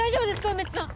梅津さん！